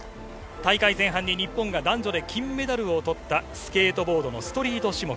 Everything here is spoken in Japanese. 大会前半に日本が男女で金メダルを取ったスケートボードのストリート種目。